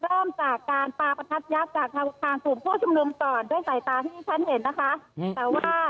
เริ่มจากการปลาประทัดยักษ์จากทางศูนย์ผู้ชึมลุมจอดด้วยสายตาที่นี่ชั้นเห็นนะคะ